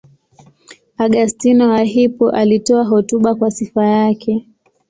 Augustino wa Hippo alitoa hotuba kwa sifa yake.